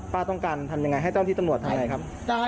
ป้าต้องการทำอย่างไรให้เจ้าที่ตำรวจทำอะไรครับ